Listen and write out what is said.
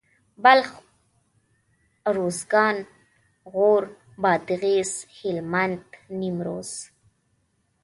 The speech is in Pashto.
بلخ اروزګان غور بادغيس هلمند نيمروز